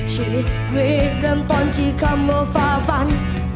ชีวิตไม่เริ่มต้นที่คำว่าฝ่าฟัน